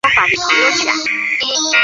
担任高等教育出版社原副总编辑。